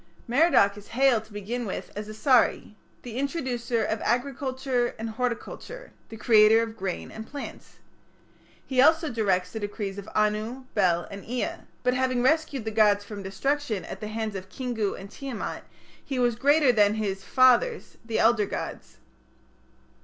Merodach is hailed to begin with as Asari, the introducer of agriculture and horticulture, the creator of grain and plants. He also directs the decrees of Anu, Bel, and Ea; but having rescued the gods from destruction at the hands of Kingu and Tiamat, he was greater than his "fathers", the elder gods.